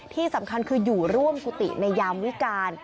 ที่สำคัญคืออยู่ร่วมกุฏิในยามวิการ